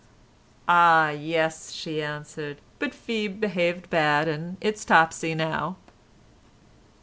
"Ah! yes," she answered, "but Pheeb behaved bad, and it's Topsy now."